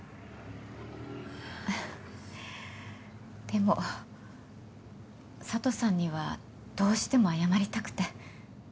でも佐都さんにはどうしても謝りたくて。